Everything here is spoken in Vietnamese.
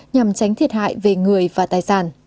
nhằm tránh thiệt hại về người và tài sản